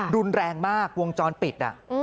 รุนแรงมากวงจรปิด